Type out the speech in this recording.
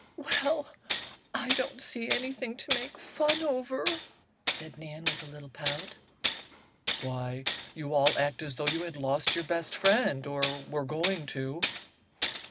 "Well, I don't see anything to make fun over," said Nan, with a little pout. "Why, you all act as though you had lost your best friend or were going to."